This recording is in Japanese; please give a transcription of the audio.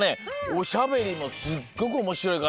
おしゃべりもすっごくおもしろいから。